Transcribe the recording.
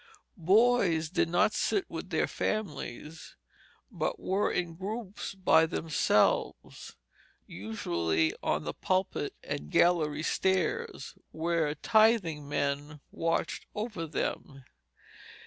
Boys did not sit with their families, but were in groups by themselves, usually on the pulpit and gallery stairs, where tithing men watched over them.